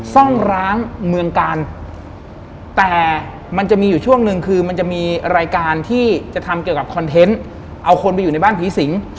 ซ่องร้างเมืองกาลแต่มันจะมีอยู่ช่วงหนึ่งคือมันจะมีรายการที่จะทำเกี่ยวกับคอนเทนต์เอาคนไปอยู่ในบ้านผีสิง